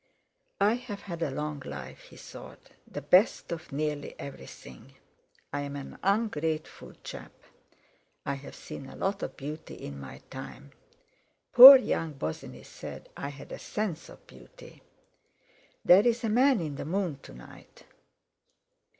"I've had a long life," he thought, "the best of nearly everything. I'm an ungrateful chap; I've seen a lot of beauty in my time. Poor young Bosinney said I had a sense of beauty. There's a man in the moon to night!"